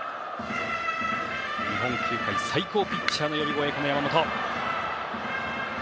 日本球界最高ピッチャーの呼び声のこの山本。